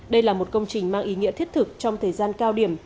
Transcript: đây là một công trình mang ý nghĩa thiết thực trong thời gian cao điểm